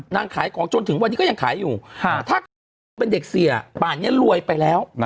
ขายของจนถึงวันนี้ก็ยังขายอยู่ถ้าขายของเป็นเด็กเสียป่านนี้รวยไปแล้ว